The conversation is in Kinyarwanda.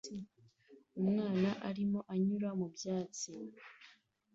Umwana arimo anyura mu byatsi